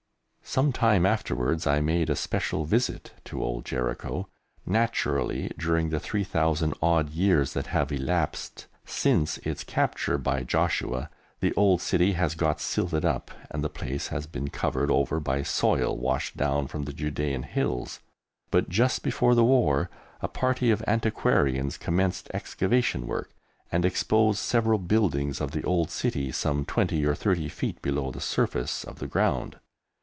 Some time afterwards I made a special visit to Old Jericho. Naturally, during the 3,000 odd years that have elapsed since its capture by Joshua, the old city has got silted up and the place has been covered over by soil washed down from the Judæan hills; but just before the War a party of Antiquarians commenced excavation work and exposed several buildings of the old city, some twenty or thirty feet below the surface of the ground.